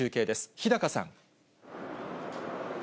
日高さん。